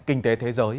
kinh tế thế giới